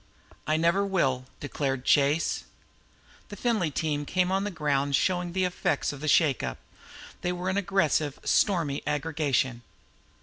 "I never will," declared Chase. The Findlay team came on the grounds showing the effects of the shake up. They were an aggressive, stormy aggregation.